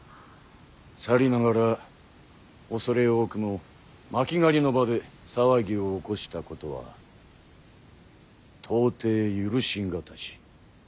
さりながら恐れ多くも巻狩りの場で騒ぎを起こしたことは到底許し難し。